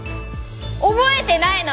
覚えてないの？